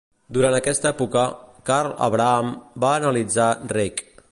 Durant aquesta època, Karl Abraham va analitzar Reik.